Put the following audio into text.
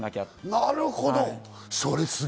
なるほど。